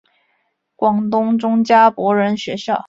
广东中加柏仁学校。